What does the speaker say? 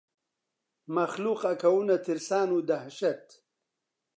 مەخلووق ئەکەونە ترسان و دەهشەت